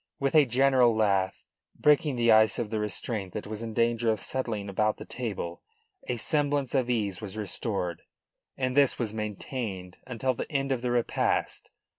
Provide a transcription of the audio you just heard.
With a general laugh, breaking the ice of the restraint that was in danger of settling about the table, a semblance of ease was restored, and this was maintained until the end of the repast.